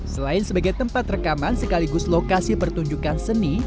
selain sebagai tempat rekaman sekaligus lokasi pertunjukan seni